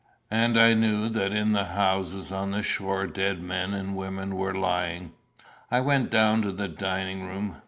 And I knew that in the houses on the shore dead men and women were lying. I went down to the dining room.